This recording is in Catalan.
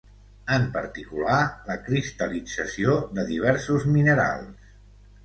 En particular, la cristal·lització de diversos minerals.